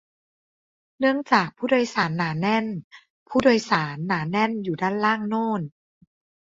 เนื่องจาก "ผู้โดยสาร" หนาแน่น "ผู้โดยสาร" หนาแน่นอยู่ด้านล่างโน่น